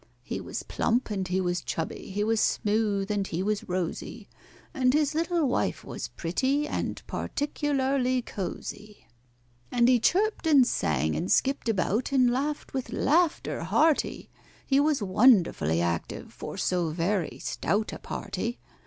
He was plump and he was chubby, he was smooth and he was rosy, And his little wife was pretty and particularly cosy. And he chirped and sang, and skipped about, and laughed with laughter hearty— He was wonderfully active for so very stout a party.